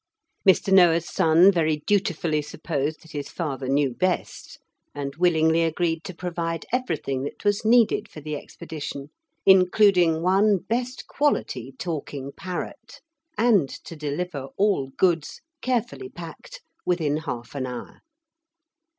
Mr. Noah's son very dutifully supposed that his father knew best and willingly agreed to provide everything that was needed for the expedition, including one best quality talking parrot, and to deliver all goods, carefully packed, within half an hour.